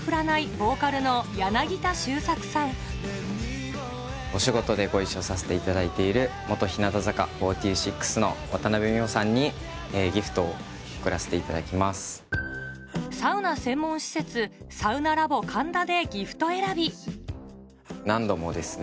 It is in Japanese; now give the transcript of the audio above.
ボーカルの柳田周作さんお仕事でご一緒させていただいている日向坂４６の渡美穂さんにギフトを贈らサウナ専門施設サウナラボ神田でギフト選び何度もですね